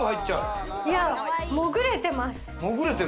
潜れてます。